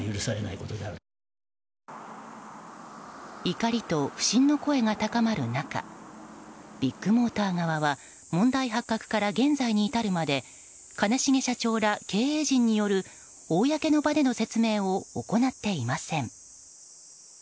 怒りと不信の声が高まる中ビッグモーター側は問題発覚から現在に至るまで兼重社長ら経営陣による公の場での説明を行っていません。